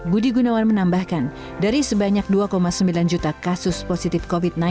budi gunawan menambahkan dari sebanyak dua sembilan juta kasus positif